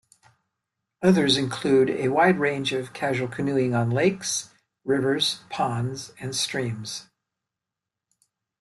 Others include a wide range of casual canoeing on lakes, rivers, ponds and streams.